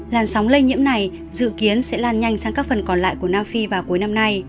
làn sóng lây nhiễm này dự kiến sẽ lan nhanh sang các phần còn lại của nam phi vào cuối năm nay